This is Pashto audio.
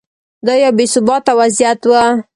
دا یو بې ثباته وضعیت و.